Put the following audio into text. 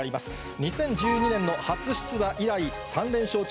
２０１２年の初出馬以来３連勝中。